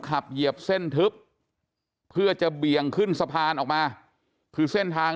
เหยียบเส้นทึบเพื่อจะเบี่ยงขึ้นสะพานออกมาคือเส้นทาง